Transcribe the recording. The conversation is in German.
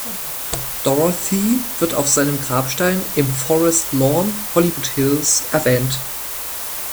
Dorothy wird auf seinem Grabstein im Forest Lawn, Hollywood Hills, erwähnt.